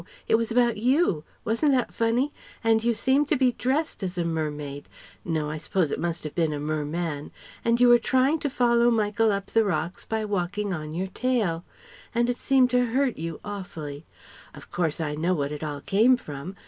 It was about you wasn't that funny? And you seemed to be dressed as a mermaid no, I suppose it must have been a mer_man_ and you were trying to follow Michael up the rocks by walking on your tail; and it seemed to hurt you awfully. Of course I know what it all came from.